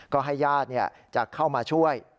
ก็ให้ญาติจะเข้ามาช่วย